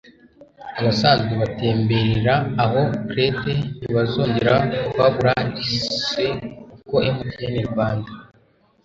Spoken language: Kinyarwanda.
abasanzwe batemberera aho crête ntibazongera kuhabura reseau, kuko mtn rwanda